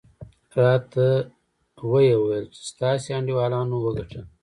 راته ویې ویل چې ستاسې انډیوالانو وګټله.